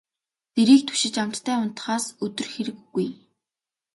Дэрийг түшиж амттай унтахаас өдөр хэрэг үгүй.